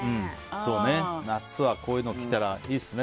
夏はこういうの着たらいいですね